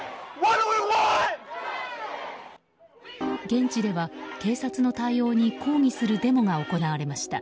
現地では警察の対応に抗議するデモが行われました。